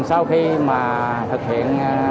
sau khi mà thực hiện